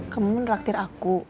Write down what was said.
kamu ngeraktir aku